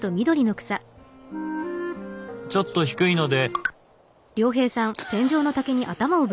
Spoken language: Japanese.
ちょっと低いので。